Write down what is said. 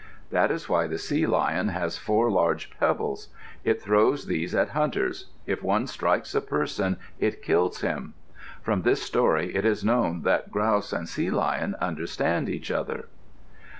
That is why the sea lion has four large pebbles. It throws these at hunters. If one strikes a person, it kills him. From this story it is known that Grouse and Sea lion understand each other.